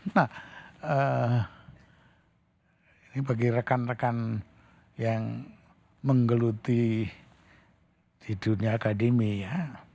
nah ini bagi rekan rekan yang menggeluti di dunia akademi ya